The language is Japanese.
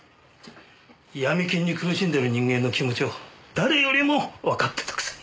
ヤミ金に苦しんでる人間の気持ちを誰よりもわかってたくせに。